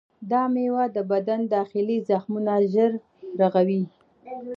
دا میوه د بدن داخلي زخمونه ژر رغوي.